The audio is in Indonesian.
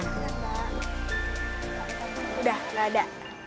sudah tidak ada